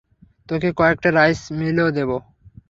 তোকে কয়েকটা রাইস মিলও দেব।